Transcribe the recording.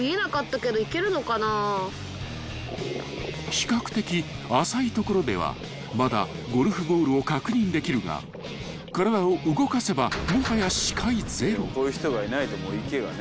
［比較的浅い所ではまだゴルフボールを確認できるが体を動かせばもはや］